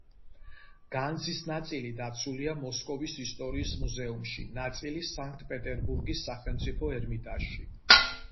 განძის ნაწილი დაცულია მოსკოვის ისტორიის მუზეუმში, ნაწილი, სანქტ-პეტერბურგის სახელმწიფო ერმიტაჟში.